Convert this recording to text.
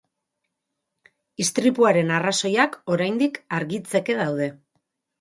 Istripuaren arrazoiak oraindik argitzeke daude.